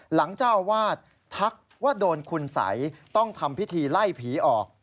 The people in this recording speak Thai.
เจ้าอาวาสทักว่าโดนคุณสัยต้องทำพิธีไล่ผีออก